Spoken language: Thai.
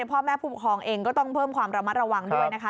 พ่อแม่ผู้ปกครองเองก็ต้องเพิ่มความระมัดระวังด้วยนะคะ